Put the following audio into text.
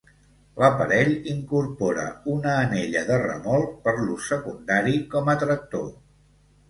L'aparell incorpora una anella de remolc per l'ús secundari com a tractor.